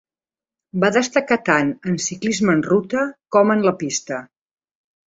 Va destacar tant en ciclisme en ruta com en la pista.